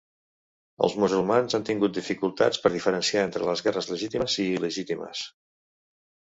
Els musulmans han tingut dificultats per diferenciar entre les guerres legítimes i il·legítimes.